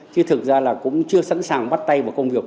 chứ thực ra là cũng chưa sẵn sàng bắt tay